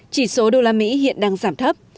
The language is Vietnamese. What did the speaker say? chỉ số đô la mỹ hiện đang giảm thấp